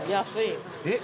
えっ？